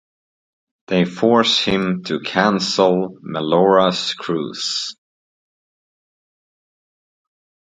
They force him to cancel Melora's curse.